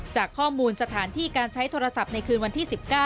จากข้อมูลสถานที่การใช้โทรศัพท์ในคืนวันที่๑๙